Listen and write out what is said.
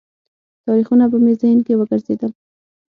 تاریخونه به مې ذهن کې وګرځېدل.